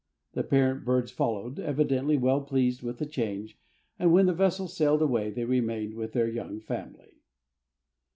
The parent birds followed, evidently well pleased with the change, and when the vessel sailed away they remained with their young family.